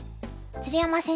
鶴山先生